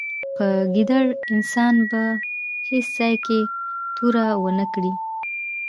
په ګیدړ انسان به په هېڅ ځای کې توره و نه کړې.